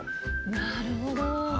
なるほど。